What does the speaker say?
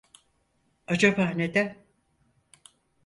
Acaba neden?